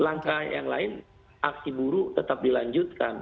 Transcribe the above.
langkah yang lain aksi buruh tetap dilanjutkan